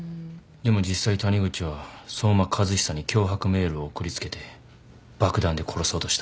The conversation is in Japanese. でも実際谷口は相馬和久に脅迫メールを送りつけて爆弾で殺そうとした。